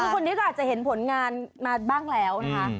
คนนี้ก็อาจจะเห็นผลงานมาบ้างแล้วนะคะ